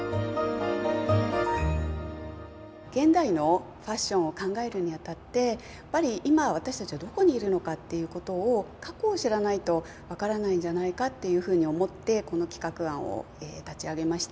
現代のファッションを考えるにあたってやっぱり今私たちはどこにいるのかっていうことを過去を知らないと分からないんじゃないかっていうふうに思ってこの企画案を立ち上げました。